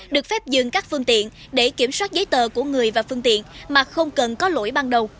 được phép dừng các phương tiện để kiểm soát giấy tờ của người và phương tiện mà không cần có lỗi ban đầu